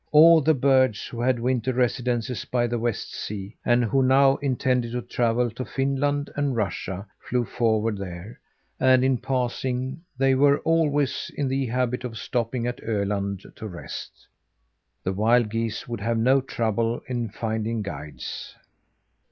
All the birds who had winter residences by the West sea, and who now intended to travel to Finland and Russia, flew forward there and, in passing, they were always in the habit of stopping at Öland to rest. The wild geese would have no trouble in finding guides.